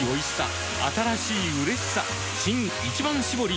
新「一番搾り」